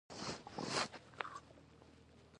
ایا زه باید شوروا وخورم؟